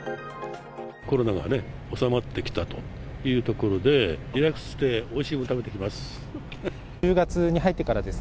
コロナがね、収まってきたというところで、リラックスしておいしいもの食べてきます。